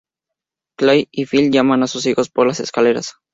Claire y Phil llaman a sus hijos por las escaleras.